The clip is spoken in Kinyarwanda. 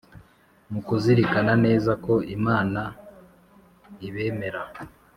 mu kuzirikana neza ko imana ibemera.